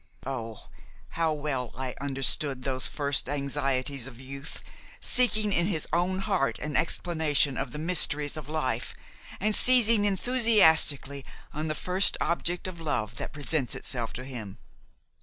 Oh! how well I understood those first anxieties of youth, seeking in his own heart an explanation of the mysteries of life, and seizing enthusiastically on the first object of love that presents itself to him!